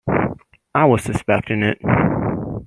I was suspecting it!